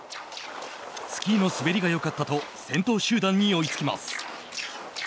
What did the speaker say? スキーの滑りがよかったと先頭集団に追い着きます。